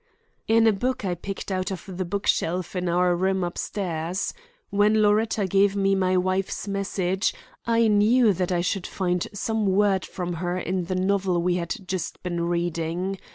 "In a book I picked out of the book shelf in our room upstairs. When Loretta gave me my wife's message I knew that I should find some word from her in the novel we had just been reading.